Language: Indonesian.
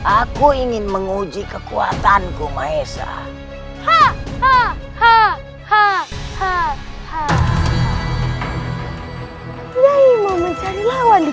aku tidak ada waktu untuk meladenimu bocah kecil